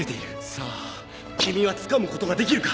さあ君はつかむことができるか！？